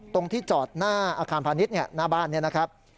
ตรงที่จอดหน้าอาคารพาณิชย์หน้าบ้านนี้นะครับ